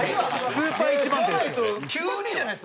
スーパー１番手ですよ。